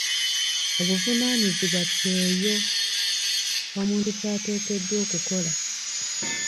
Obuvunaanyizibwa ky'eyo omuntu ky'ateekeddwa okukola.